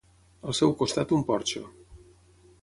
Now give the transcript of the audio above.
Al seu costat un porxo.